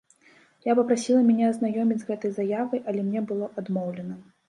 Я папрасіла мяне азнаёміць з гэтай заявай, але мне было адмоўлена.